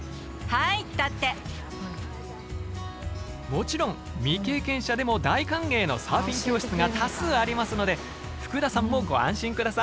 もちろん未経験者でも大歓迎のサーフィン教室が多数ありますので福田さんもご安心下さい！